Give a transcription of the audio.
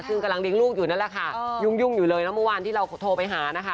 ซึ่งกำลังเลี้ยงลูกอยู่นั่นแหละค่ะยุ่งอยู่เลยแล้วเมื่อวานที่เราโทรไปหานะคะ